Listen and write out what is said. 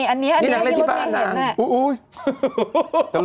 อันนี้ที่นักเล่นที่บ้านน้ำ